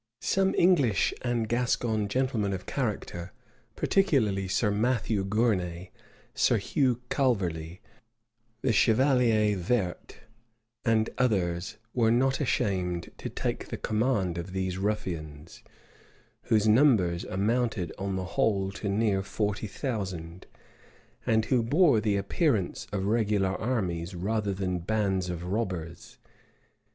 Some English and Gascon gentlemen of character, particularly Sir Matthew Gournay, Sir Hugh Calverly, the chevalier Verte, and others, were not ashamed to take the command of these ruffians, whose numbers amounted on the whole to near forty thousand, and who bore the appearance of regular armies, rather than bands of robbers.